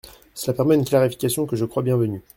Cela permet une clarification que je crois bienvenue.